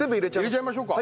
入れちゃいましょうか。